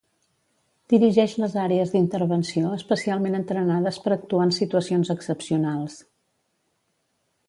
Dirigeix les àrees d'intervenció especialment entrenades per actuar en situacions excepcionals.